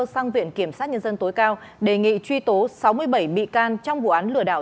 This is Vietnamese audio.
sang viện kiểm sát nhân dân tối cao đề nghị truy tố sáu mươi bảy bị can trong vụ án lừa đảo